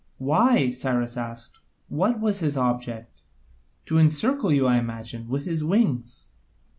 "Why?" Cyrus asked, "what was his object?" "To encircle you, I imagine, with his wings."